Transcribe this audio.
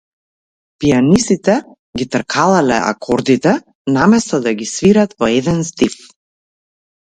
Пијанистите ги тркалалале акордите, наместо да ги свират во еден здив.